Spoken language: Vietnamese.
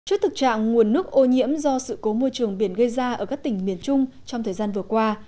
trước thực trạng nguồn nước ô nhiễm do sự cố môi trường biển gây ra ở các tỉnh miền trung trong thời gian vừa qua